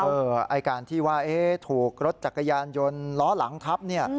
ไอ้การที่ว่าถูกรถจักรยานยนต์ล้อหลังทับเนี่ย